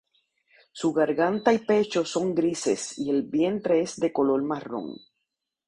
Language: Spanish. Su garganta y pecho son grises y el vientre es de color marrón.